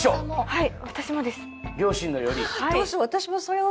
はい。